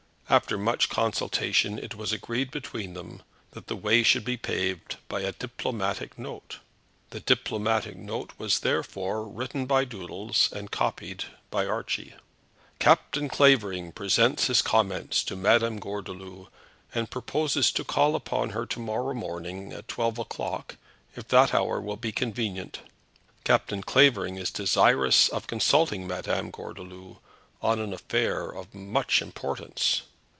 After much consultation it was agreed between them that the way should be paved by a diplomatic note. The diplomatic note was therefore written by Doodles and copied by Archie. "Captain Clavering presents his compliments to Madame Gordeloup, and proposes to call upon her to morrow morning at twelve o'clock, if that hour will be convenient. Captain Clavering is desirous of consulting Madame Gordeloup on an affair of much importance."